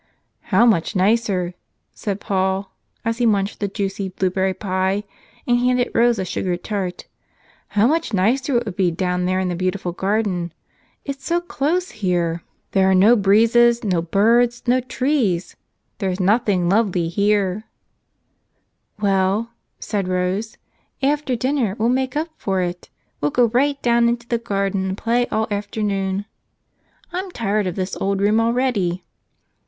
"How much nicer," said Paul, as he munched the juicy blueberry pie and handed Rose a sugared tart, "how much nicer it would be down there in the beautiful garden. It's so close here; there are 39 ^" Tell Us Another!" no breezes, no birds, no trees — there's nothing lovely here." "Well," said Rose, "after dinner we'll make up for it. We'll go right down into the garden and play all afternoon. I'm tired of this old room already."